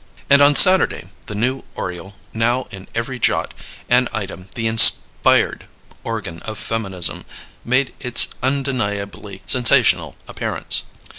And on Saturday the new Oriole, now in every jot and item the inspired organ of feminism, made its undeniably sensational appearance.